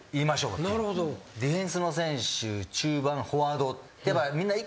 ディフェンスの選手中盤フォワード。